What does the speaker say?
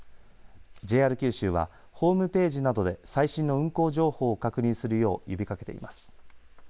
ＪＲ九州はホームページなどで最新の運行情報を確認するよう呼びかけています。